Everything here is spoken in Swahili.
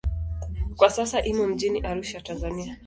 Kwa sasa imo mjini Arusha, Tanzania.